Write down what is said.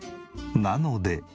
なので。